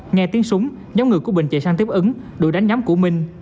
nghe tiếng súng nhóm người của bình chạy sang tiếp ứng đuổi đánh nhóm của minh